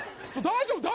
大丈夫？